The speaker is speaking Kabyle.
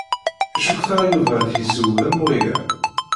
Cukkteɣ Yuba ad t-yessewhem waya.